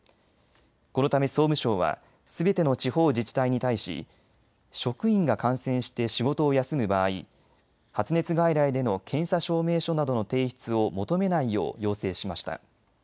このため総務省は、すべての地方自治体に対し職員が感染して仕事を休む場合、発熱外来での検査証明書などの提出を求めないよう要請しました。